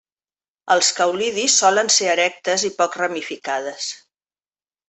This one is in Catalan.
Els caulidis solen ser erectes i poc ramificades.